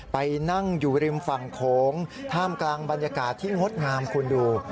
ไปนั่งอยู่ริมฝั่งโขงท่ามกลางบรรยากาศที่งดงามคุณดู